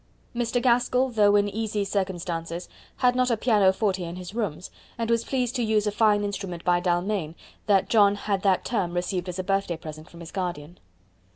Mr. Gaskell, though in easy circumstances, had not a pianoforte in his rooms, and was pleased to use a fine instrument by D'Almaine that John had that term received as a birthday present from his guardian.